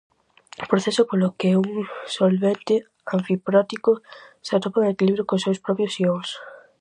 Proceso polo que un solvente anfiprótico se atopa en equilibrio cos seus propios ións.